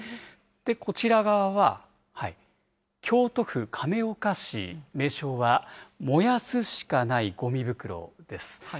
こちら側は、京都府亀岡市、名称は燃やすしかないごみ袋です。